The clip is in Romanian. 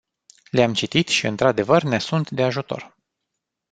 Le-am citit și, într-adevăr, ne sunt de ajutor.